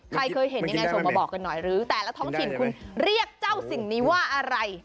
ใครเคยเห็นยังไงส่งมาบอกกันหน่อยหรือแต่ละท้องถิ่นคุณเรียกเจ้าสิ่งนี้ว่าอะไร